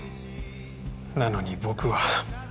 なのに僕は。